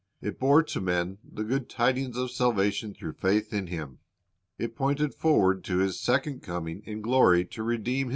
It bore to men the good tidings of saU'ation through faith in Him. It pointed forward to His second coming in glory to redeem i Matt.